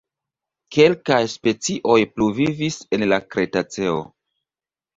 Kelkaj specioj pluvivis en la Kretaceo.